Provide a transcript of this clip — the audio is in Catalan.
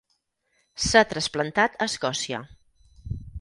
S'ha trasplantat a Escòcia.